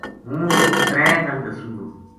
ہوں ترے گل دسوں گو